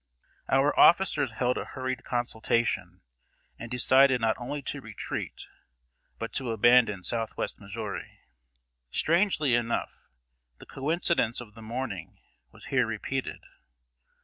Our officers held a hurried consultation, and decided not only to retreat, but to abandon southwest Missouri. Strangely enough, the coincidence of the morning was here repeated.